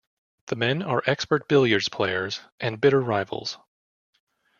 The men are expert billiards players and bitter rivals.